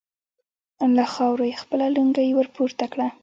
له خاورو يې خپله لونګۍ ور پورته کړه.